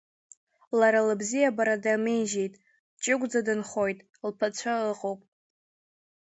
Лара лыбзиабара дамеижьеит, дҷыгәӡа дынхоит, лԥацәа ыҟоуп.